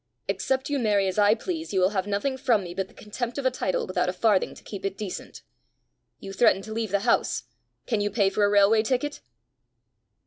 Except you marry as I please, you will have nothing from me but the contempt of a title without a farthing to keep it decent. You threaten to leave the house can you pay for a railway ticket?"